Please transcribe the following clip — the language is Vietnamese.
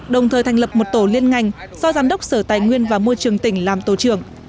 đồng thời thành lập một tổ liên ngành do giám đốc sở tài nguyên và môi trường tỉnh làm tổ trưởng